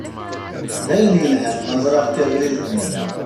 D ayen yelhan ma ẓṛiɣ-k abrid-nniḍen.